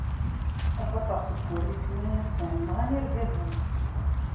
Axaṭer seg urrif-nni i rfan, nɣan irgazen;